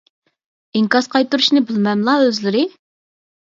ئىنكاس قايتۇرۇشنى بىلمەملا ئۆزلىرى؟